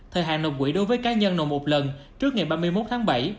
thời hạn nộp quỹ đối với cá nhân nộp một lần trước ngày ba mươi một tháng bảy